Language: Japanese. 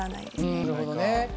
なるほど。